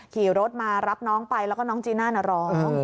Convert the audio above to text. ขี่รถมารับน้องไปแล้วก็น้องจีน่าน่ะร้อง